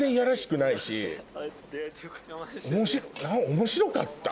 面白かった。